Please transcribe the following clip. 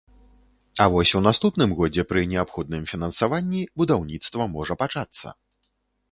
А вось у наступным годзе, пры неабходным фінансаванні, будаўніцтва можа пачацца.